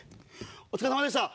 お疲れさまでした。